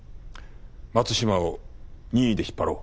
松島を任意で引っ張ろう。